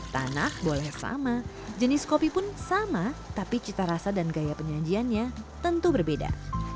tanah boleh sama jenis kopi pun sama tapi cita rasa dan gaya penyajiannya tentu berbeda